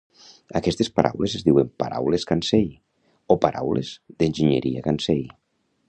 Aquestes paraules es diuen "paraules kansei" o "paraules d'enginyeria kansei".